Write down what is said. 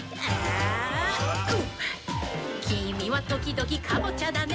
「きみはときどきカボチャだね」